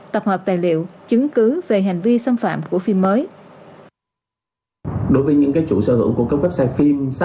tập hợp tài liệu chứng cứ về hành vi xâm phạm của phim mới